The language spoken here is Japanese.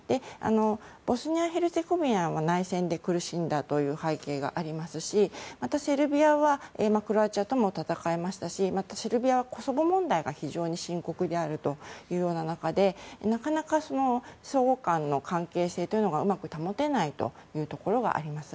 ボスニア・ヘルツェゴビナは内戦で苦しんだという背景がありますしセルビアはクロアチアとも戦いましたしまたセルビアはコソボ問題が非常に深刻だという中でなかなか相互間の関係性というのがうまく保てないというところがあります。